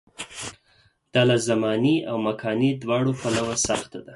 دا له زماني او مکاني دواړو پلوه سخته وه.